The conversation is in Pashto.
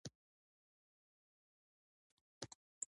دا سیستم د عامه خدمتونو په برخه کې ډېر اغېزناک ثابت شو.